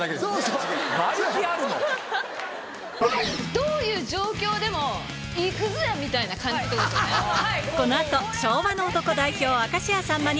どういう状況でも「行くぜ！」みたいな感じってことね。